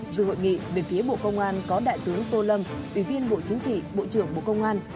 dự hội nghị về phía bộ công an có đại tướng tô lâm ủy viên bộ chính trị bộ trưởng bộ công an